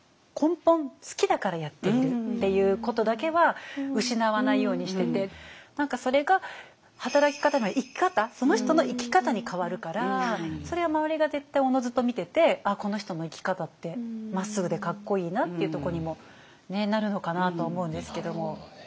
根本好きだからやっているっていうことだけは失わないようにしてて何かそれが働き方が生き方その人の生き方に変わるからそれは周りが絶対おのずと見ててこの人の生き方ってまっすぐでかっこいいなっていうとこにもなるのかなとは思うんですけども。